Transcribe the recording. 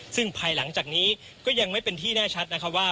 ซึ่งภายหลังจากนี้ก็ยังไม่เป็นที่แน่ชัดนะคะว่า